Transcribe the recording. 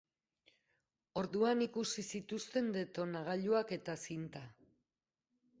Orduan ikusi zituzten detonagailuak eta zinta.